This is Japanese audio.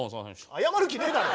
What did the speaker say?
謝る気ねえだろ！